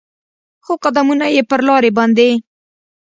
خو قدمونو یې پر لارې باندې